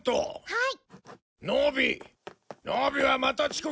はい！